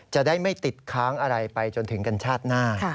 จะได้ไม่ติดค้างอะไรไปจนถึงกันชาติหน้า